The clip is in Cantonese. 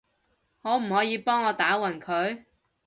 可唔可以幫我打暈佢？